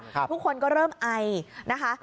ทุกคนก็เริ่มไอนะคะ